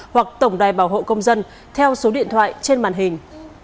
hoặc tổng đài bảo hộ công dân theo số điện thoại trên màn hình